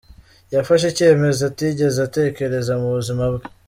Yafashe icyemezo atigeze atekereza mu buzima bwe.